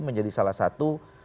menjadi salah satu